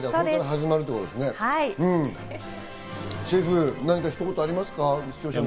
シェフ、ひと言ありますか？